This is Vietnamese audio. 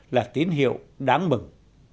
là tín hiệu đáng mừng